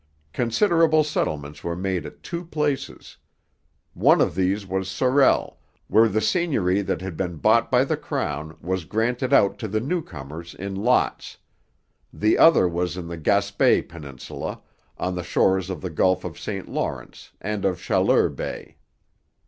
Considerable settlements were made at two places. One of these was Sorel, where the seigneury that had been bought by the crown was granted out to the new comers in lots; the other was in the Gaspe peninsula, on the shores of the Gulf of St Lawrence and of Chaleur Bay.